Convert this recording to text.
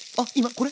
これ？